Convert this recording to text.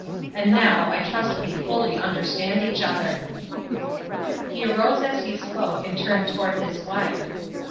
And now, I trust we fully understand each other." He arose as he spoke, and turned toward his wife.